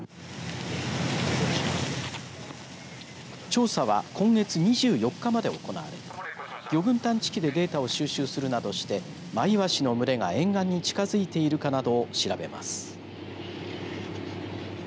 調査は今月２４日まで行われ魚群探知機でデータを収集するなどしてマイワシの群れが沿岸に近づいているかなどを調べます。